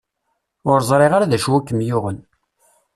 Ur ẓriɣ ara d acu i kem-yuɣen.